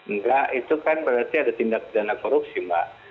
enggak itu kan berarti ada tindak pidana korupsi mbak